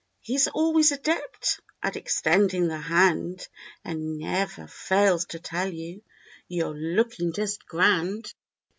He's always adept at extending the hand And ne'er fails to tell you "You're looking just grand!"